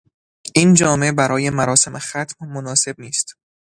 این جامه برای مراسم ختم مناسب نیست.